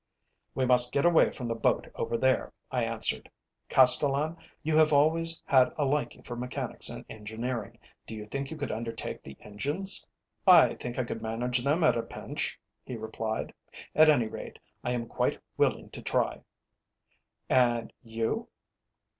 "We must get away from that boat over there," I answered. "Castellan, you have always had a liking for mechanics and engineering, do you think you could undertake the engines?" "I think I could manage them at a pinch," he replied. "At any rate, I am quite willing to try." "And you?"